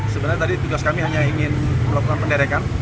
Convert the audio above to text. sebenarnya tadi tugas kami hanya ingin melakukan penderekan